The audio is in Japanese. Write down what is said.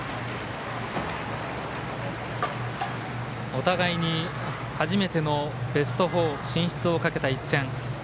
お互いに初めてのベスト４進出をかけた一戦。